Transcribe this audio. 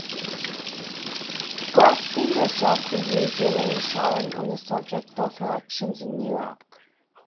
Glaspie herself for years remained silent on the subject of her actions in Iraq.